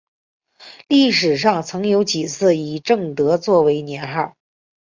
历史上曾有几次以正德作为年号。